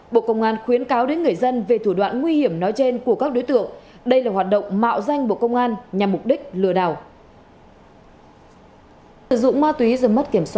bộ công an khuyến cáo đến người dân về thủ đoạn nguy hiểm nói trên của các đối tượng đây là hoạt động mạo danh bộ công an nhằm mục đích lừa đảo